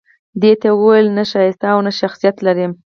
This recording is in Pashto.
دې ته يې وويل نه ښايسته يې او نه شخصيت لرې